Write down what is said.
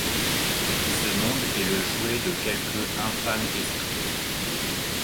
Ce monde est le jouet de quelque infâme esprit